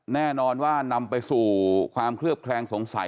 แน่นอนว่านำไปสู่ความเคลือบแคลงสงสัย